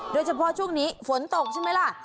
โดยเฉพาะช่วงนี้ฝนตกใช่ไหมล่ะ